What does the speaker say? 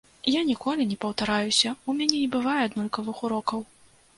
Я ніколі не паўтараюся, у мяне не бывае аднолькавых урокаў.